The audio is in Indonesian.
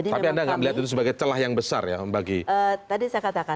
tapi anda tidak melihat itu sebagai celah yang besar ya bagi kpk sebagai pengadilan